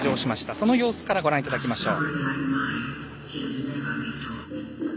その様子からご覧いただきましょう。